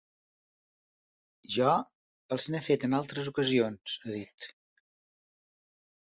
Jo els n’he fet en altres ocasions, ha dit.